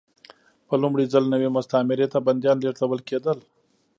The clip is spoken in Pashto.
په لومړي ځل نوې مستعمرې ته بندیان لېږدول کېدل.